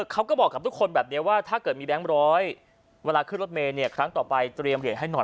เขาก็บอกกับทุกคนแบบนี้ว่าถ้าเกิดมีแบงค์ร้อยเวลาขึ้นรถเมย์เนี่ยครั้งต่อไปเตรียมเหรียญให้หน่อย